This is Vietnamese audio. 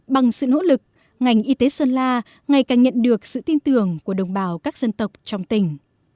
bằng sự nỗ lực ngành y tế sơn la ngày càng nhận được sự tin tưởng của đồng bào các dân tộc trong tỉnh